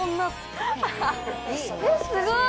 すごい！